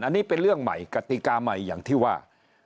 อันนี้เป็นเรื่องใหม่กติกาใหม่อย่างที่ว่า